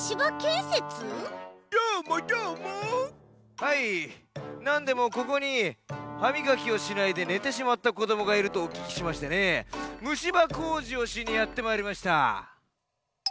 はいなんでもここにはみがきをしないでねてしまったこどもがいるとおききしましてねむしば工事をしにやってまいりました。